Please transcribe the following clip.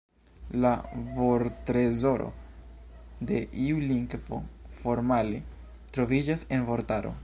La vorttrezoro de iu lingvo – formale – troviĝas en vortaro.